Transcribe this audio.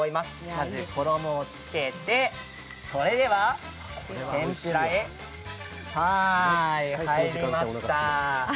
まず衣をつけて、それでは天ぷらへ入りました。